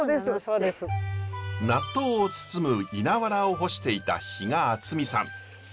納豆を包む稲わらを干していた比果淳美さん。